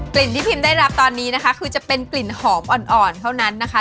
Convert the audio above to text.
ที่พิมได้รับตอนนี้นะคะคือจะเป็นกลิ่นหอมอ่อนเท่านั้นนะคะ